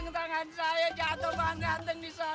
tangan saya jatuh banget disana